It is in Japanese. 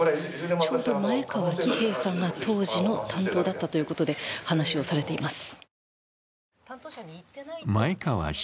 ちょうど前川喜平さんが当時の担当だったということで話をされています。